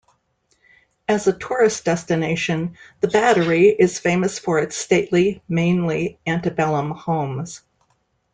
As a tourist destination, the Battery is famous for its stately, mainly antebellum homes.